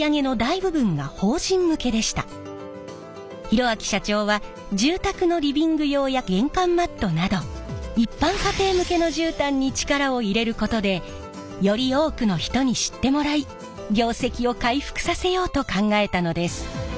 博明社長は住宅のリビング用や玄関マットなど一般家庭向けの絨毯に力を入れることでより多くの人に知ってもらい業績を回復させようと考えたのです。